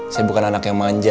saya bukan anak yang manja